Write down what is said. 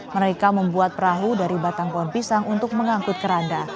mereka membuat perahu dari batang pohon pisang untuk mengangkut keranda